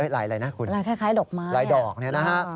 ลายอะไรนะคุณลายดอกนี้นะฮะคล้ายดอกไม้